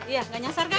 iya gak nyasar kan